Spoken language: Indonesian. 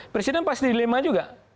presiden pasti dilema juga